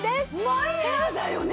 マイヤーだよね？